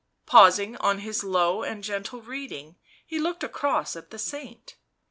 Pausing on his low and gentle reading he looked across at the saint.